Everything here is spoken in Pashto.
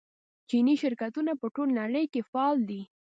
چیني شرکتونه په ټوله نړۍ کې فعال دي.